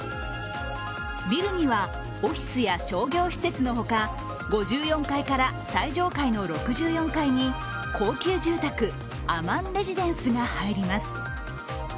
ビルにはオフィスや商業施設のほか５４階から最上階の６４階に高級住宅アマンレジデンスが入ります。